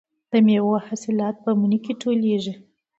د میوو حاصلات په مني کې ټولېږي.